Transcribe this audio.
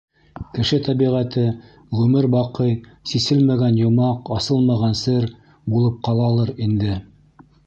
Кеше тәбиғәте ғүмер баҡый сиселмәгән йомаҡ, асылмаған сер булып ҡалалыр инде.